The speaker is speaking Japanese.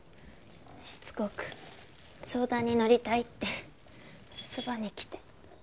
しつこく相談に乗りたいってそばに来て。